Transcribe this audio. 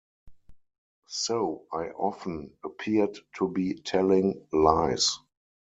So I often appeared to be telling lies.